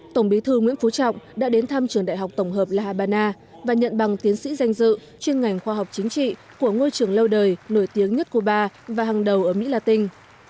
tổng bí thư nguyễn phú trọng đã đến thăm trường đại học tổng hợp la habana và nhận bằng tiến sĩ danh dự chuyên ngành khoa học chính trị của ngôi trường lâu đời nổi tiếng nhất cuba và hàng đầu ở mỹ la tinh